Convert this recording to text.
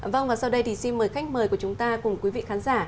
vâng và sau đây thì xin mời khách mời của chúng ta cùng quý vị khán giả